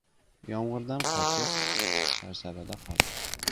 • Yomg‘irdan qochib, sharsharada qoldi.